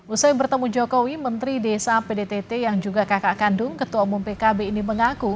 usai bertemu jokowi menteri desa pdtt yang juga kakak kandung ketua umum pkb ini mengaku